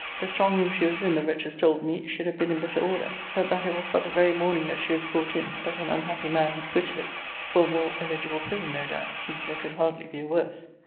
The strong room she was in, the wretches told me, should have been in better order, but that it was but the very morning that she was brought in that an unhappy man had quitted it; for a more eligible prison, no doubt; since there could hardly be a worse.